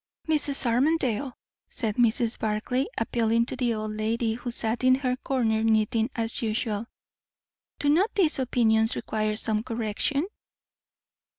"Mrs. Armadale," said Mrs. Barclay, appealing to the old lady who sat in her corner knitting as usual, "do not these opinions require some correction?"